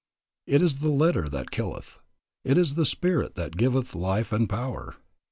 It is the letter that killeth, it is the spirit that giveth life and power.